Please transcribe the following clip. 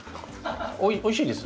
おいしいです。